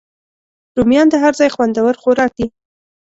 رومیان د هر ځای خوندور خوراک دی